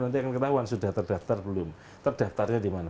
nanti akan ketahuan sudah terdaftar belum terdaftarnya di mana